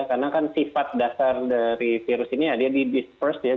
karena kan sifat dasar dari virus ini ya dia di disperse ya